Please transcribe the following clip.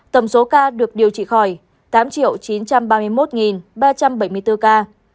tổng số ca được điều trị khỏi tám chín trăm ba mươi một ba trăm bảy mươi bốn ca